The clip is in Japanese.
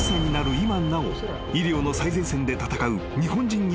今なお医療の最前線で闘う日本人医師に密着］